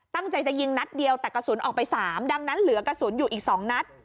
ตั้งใจจะยิงนัดเดียวแต่กระสุนออกไป๓ดังนั้นเหลือกระสุนอยู่อีก๒นัด